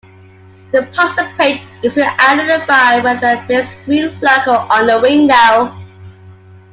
The participant is to identify whether there is a green circle on the window.